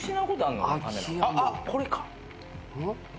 あっこれか？